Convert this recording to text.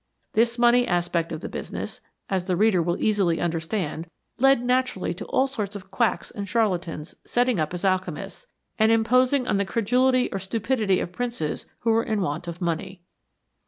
This money aspect of the business, as the reader will easily understand, led naturally to all sorts of quacks and charlatans setting up as alchemists, and im posing on the credulity or stupidity of princes who were in want of money.